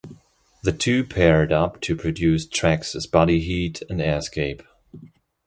The two paired up to produce tracks as Bodyheat and Airscape.